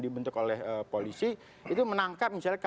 dibentuk oleh polisi itu menangkap misalnya